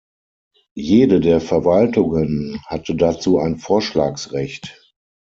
Jede der Verwaltungen hatte dazu ein Vorschlagsrecht.